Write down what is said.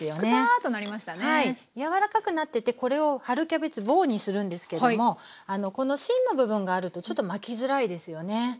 柔らかくなっててこれを春キャベツ棒にするんですけどもこの芯の部分があるとちょっと巻きづらいですよね。